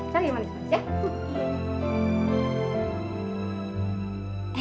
cari yang manis manis ya